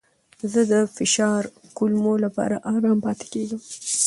زه د فشار کمولو لپاره ارام پاتې کیږم.